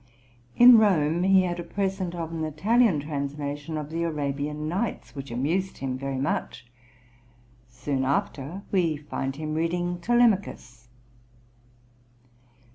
In Rome he had a present of an Italian translation of the "Arabian Nights," which amused him very much. Soon after we find him reading "Telemachus."